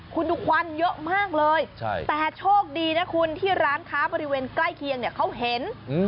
คุณดูควันเยอะมากเลยแต่โชคดีนะคุณที่ร้านค้าบริเวณใกล้เคียงเนี่ยเขาเห็น